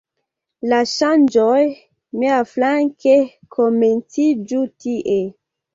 La ŝanĝoj, miaflanke, komenciĝu tie.